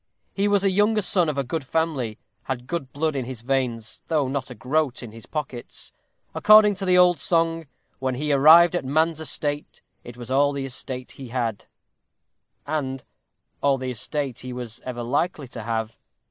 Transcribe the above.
He was a younger son of a good family; had good blood in his veins, though not a groat in his pockets. According to the old song When he arrived at man's estate, It was all the estate he had; and all the estate he was ever likely to have.